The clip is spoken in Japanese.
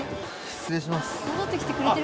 失礼します。